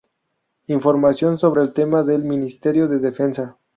Información sobre el tema del Ministerio de Defensa.